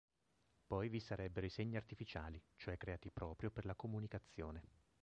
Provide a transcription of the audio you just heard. Poi vi sarebbero i "segni artificiali", cioè creati proprio per la comunicazione.